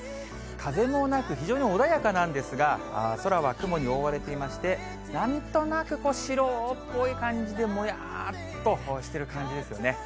風もなく、非常に穏やかなんですが、空は雲に覆われていまして、なんとなく白っぽい感じで、もやっとしてる感じですよね。